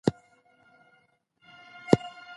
د مفسرینو په اند خلیفه هماغه ادم دی.